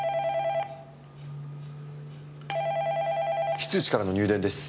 非通知からの入電です。